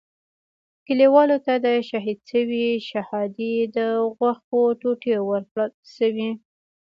کلیوالو ته د شهید شوي شهادي د غوښو ټوټې ورکړل شوې.